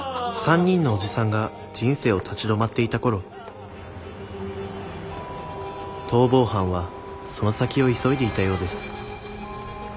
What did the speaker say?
３人のおじさんが人生を立ち止まっていた頃逃亡犯はその先を急いでいたようです。